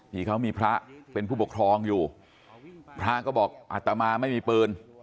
ที่เขามีพระเป็นผู้ปกครองอยู่พระก็บอกอัตมาไม่มีปืน